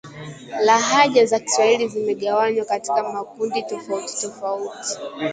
Lahaja za Kiswahili zimegawanywa katika makundi tofauti tofauti